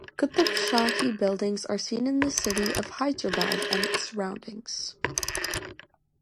Qutb Shahi buildings are seen in the city of Hyderabad and its surroundings.